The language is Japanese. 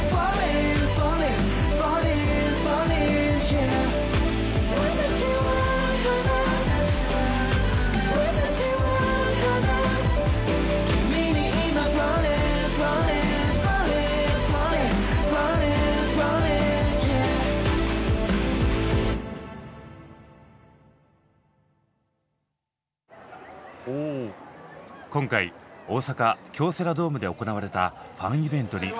今回大阪・京セラドームで行われたファンイベントに「ＳＯＮＧＳ」が密着。